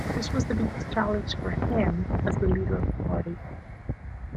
This was the biggest challenge for him as the leader of the party.